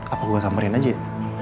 apa gue samarin aja ya